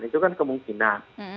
itu kan kemungkinan